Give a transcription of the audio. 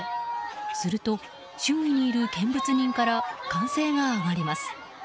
すると周囲にいる見物人から歓声が上がります。